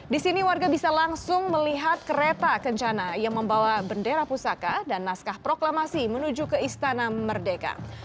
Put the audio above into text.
di sini warga bisa langsung melihat kereta kencana yang membawa bendera pusaka dan naskah proklamasi menuju ke istana merdeka